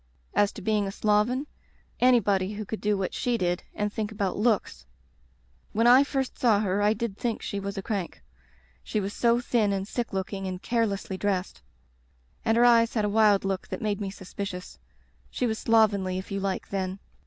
As to being a sloven, anybody who could do what she did and think about looks " When I first saw her I did think she was a crank. She was so thin and sick looking, and carelessly dressed. And her eyes had a wild look that made me suspicious. She was slovenly if you like, then.